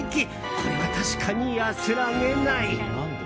これは確かに安らげない。